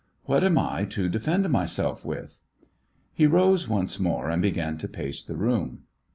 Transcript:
What am I to defend myself with ?" He rose once more, and began to pace the room.